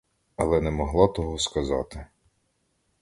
Але не могла того сказати.